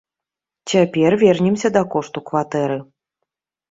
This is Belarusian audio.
Цяпер вернемся да кошту кватэры.